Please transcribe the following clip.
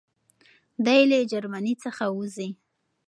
دی له جرمني څخه وځي.